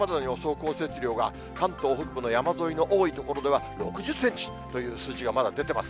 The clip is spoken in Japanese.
降雪量が、関東北部の山沿いの多い所では、６０センチという数字が、まだ出てます。